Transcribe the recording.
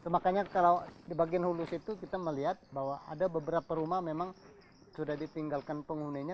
makanya kalau di bagian hulus itu kita melihat bahwa ada beberapa rumah memang sudah ditinggalkan penghuninya